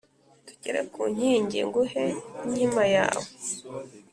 tugere ku nkingi nguhe inkima yawe